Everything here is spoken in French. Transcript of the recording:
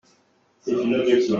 C’est une objection.